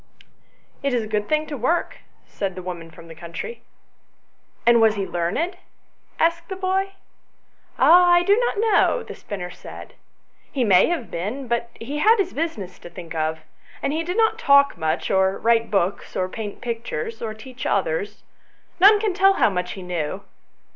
" It is a good thing to work," said the woman from the country. "And was he learned?" asked the boy. " Ah, I do uot know," the spinner said. " He may XIL] IN THE PORCH. 131 have been, but he had his business to think of, and he did not talk much, or write books, or paint pictures, or teach others; none can tell how much he knew."